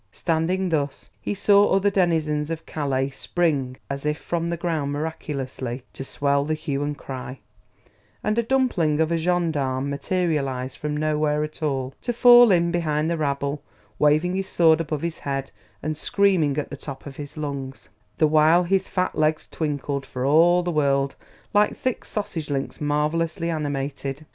Standing thus he saw other denizens of Calais spring as if from the ground miraculously to swell the hue and cry; and a dumpling of a gendarme materialized from nowhere at all, to fall in behind the rabble, waving his sword above his head and screaming at the top of his lungs, the while his fat legs twinkled for all the world like thick sausage links marvelously animated.